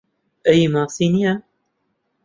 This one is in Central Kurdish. ئەی ماسی نییە؟